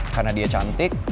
karena dia cantik